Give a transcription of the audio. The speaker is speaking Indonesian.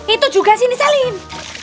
itu juga sini salim